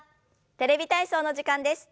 「テレビ体操」の時間です。